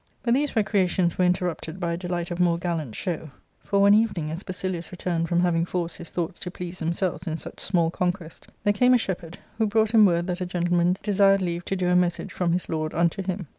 But these recreations were interrupted by a (Jelightof mor6 gallant show ; for one evening, as Basilius returned from having forced his thoughts to please themselves in such small conquest, there came a shepherd, who brought him word that a gentleman desired leave to do a message froni his lord unto him.